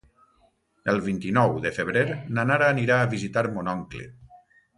El vint-i-nou de febrer na Nara anirà a visitar mon oncle.